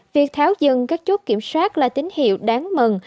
việc tháo dừng các chốt kiểm soát là tín hiệu đáng mừng